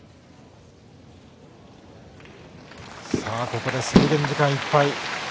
ここで制限時間いっぱい。